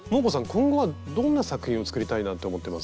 今後はどんな作品を作りたいなって思ってます？